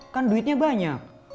kan duitnya banyak